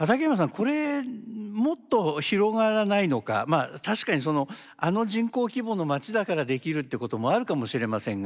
これもっと広がらないのかまあ確かにそのあの人口規模の町だからできるっていうこともあるかもしれませんが。